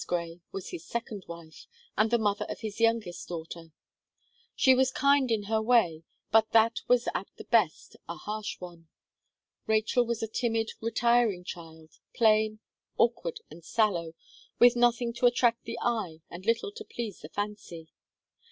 Gray was his second wife, and the mother of his youngest daughter. She was kind in her way, but that was at the best a harsh one. Rachel was a timid, retiring child, plain, awkward, and sallow, with nothing to attract the eye, and little to please the fancy. Mrs.